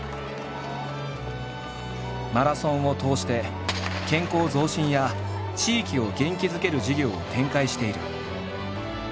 マラソンを通して健康増進や地域を元気づける事業を展開している。